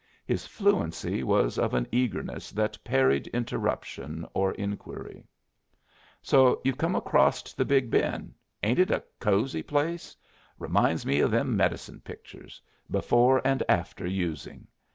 His fluency was of an eagerness that parried interruption or inquiry. "So you've come acrosst the Big Bend! Ain't it a cosey place? Reminds me of them medicine pictures, 'Before and After Using.'